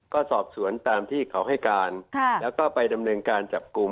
ก็สอบสวนตามที่เขาให้การแล้วก็ไปดำเนินการจับกลุ่ม